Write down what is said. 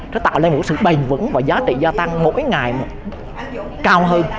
sẽ tạo nên một sự bền vững và giá trị gia tăng mỗi ngày cao hơn